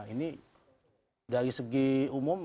ini dari segi umum